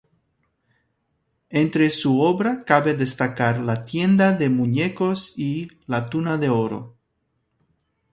Entre su obra cabe destacar "La Tienda de Muñecos" y "La Tuna de Oro".